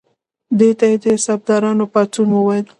دې ته یې د سربدارانو پاڅون ویل.